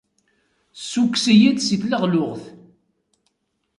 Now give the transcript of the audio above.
Ssukkes-iyi-d si tleɣluɣt.